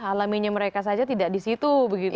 halaminya mereka saja tidak di situ begitu ya